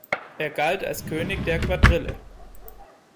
Er galt als „König der Quadrille“.